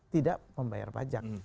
tidak membayar pajak